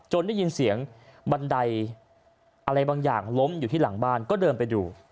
ได้ยินเสียงบันไดอะไรบางอย่างล้มอยู่ที่หลังบ้านก็เดินไปดู